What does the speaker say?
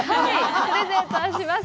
プレゼントはします。